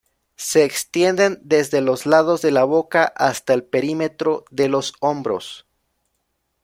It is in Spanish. Se extienden desde los lados de la boca hasta el perímetro de los hombros.